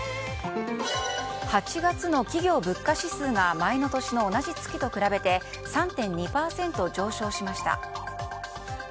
８月の企業物価指数が前の年の同じ月と比べて３．２％上昇しました。